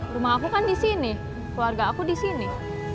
rumah aku kan disini keluarga aku disini